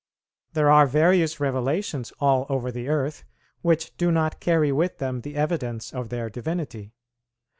There are various revelations all over the earth which do not carry with them the evidence of their divinity.